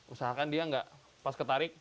usahakan dia nggak pas ketarik